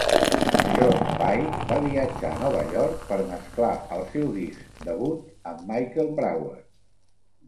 Josh Pyke va viatjar a Nova York per mesclar el seu disc debut amb Michael Brauer.